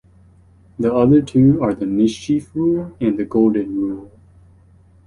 The other two are the "mischief rule" and the "golden rule".